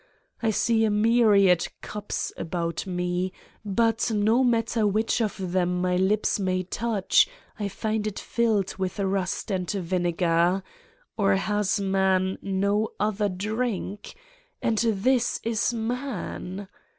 I see a myriad cups about me, but no matter which of them my lips may touch, I find it filled with rust and vinegar: or has man no other drink? And this is man?